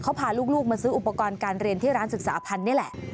เขาพาลูกมาซื้ออุปกรณ์การเรียนที่ร้านศึกษาพันธ์นี่แหละ